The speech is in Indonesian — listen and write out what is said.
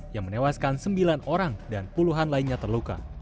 yang menewaskan sembilan orang dan puluhan lainnya terluka